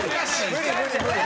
無理無理無理。